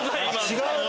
違う？